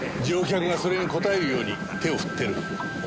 乗客がそれに応えるように手を振ってる。